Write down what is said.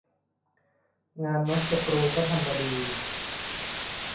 งานน๊อตสกรูเค้าทำมาดี